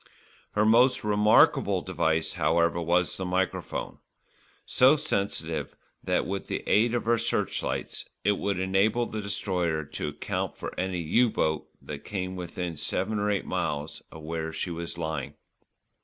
Her most remarkable device, however, was the microphone, so sensitive that, with the aid of her searchlights it would enable the Destroyer to account for any "U" boat that came within seven or eight miles of where she was lying.